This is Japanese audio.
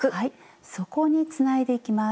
そこにつないでいきます。